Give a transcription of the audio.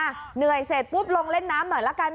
เหนื่อยเสร็จปุ๊บลงเล่นน้ำหน่อยละกัน